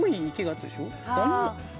あ。